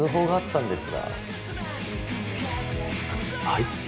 はい？